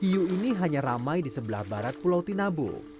hiu ini hanya ramai di sebelah barat pulau tinabo